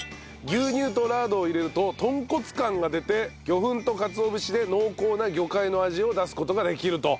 牛乳とラードを入れると豚骨感が出て魚粉とかつお節で濃厚な魚介の味を出す事ができると。